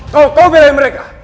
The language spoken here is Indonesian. kau berani mereka